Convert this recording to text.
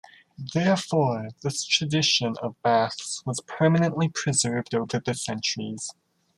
Therefore, this tradition of baths was permanently preserved over the centuries.